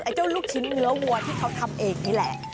เจ้าลูกชิ้นเนื้อวัวที่เขาทำเองนี่แหละ